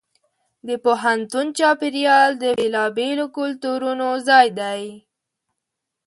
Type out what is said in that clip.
د پوهنتون چاپېریال د بېلابېلو کلتورونو ځای دی.